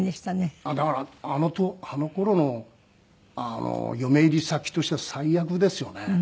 だからあの頃の嫁入り先としては最悪ですよね。